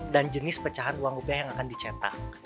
dan jenis pecahan uang rupiah yang akan dicetak